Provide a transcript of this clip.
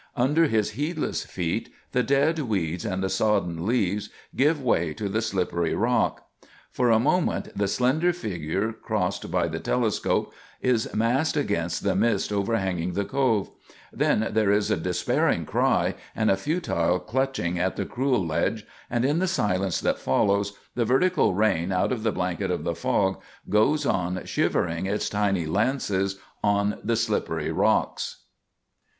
Under his heedless feet the dead weeds and the sodden leaves give way to the slippery rock. [Illustration: PHILIP ON THE EDGE OF THE PRECIPICE.] For a moment the slender figure crossed by the telescope is massed against the mist overhanging the Cove. Then there is a despairing cry and a futile clutching at the cruel ledge, and, in the silence that follows, the vertical rain, out of the blanket of the fog, goes on shivering its tiny lances on the slippery rocks.